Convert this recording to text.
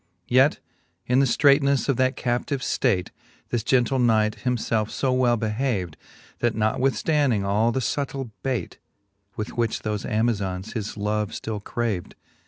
II. Yet in the ftreightnefTe of that captive ftate, This gentle knight himfelfe fo well behaved, That notwithftanding all the fubtill bait. With which thofe Amazons his love ftill craved.